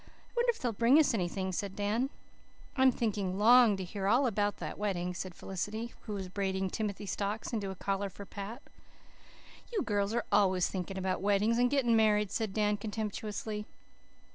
"I wonder if they'll bring us anything," said Dan. "I'm thinking long to hear all about the wedding," said Felicity, who was braiding timothy stalks into a collar for Pat. "You girls are always thinking about weddings and getting married," said Dan contemptuously.